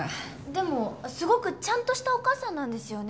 でもすごくちゃんとしたお母さんなんですよね？